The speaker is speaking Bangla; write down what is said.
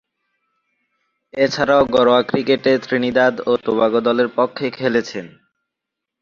এছাড়াও ঘরোয়া ক্রিকেটে ত্রিনিদাদ ও টোবাগো দলের পক্ষে খেলছেন।